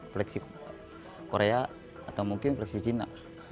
fleksi korea atau mungkin fleksi china